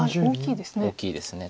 大きいですね。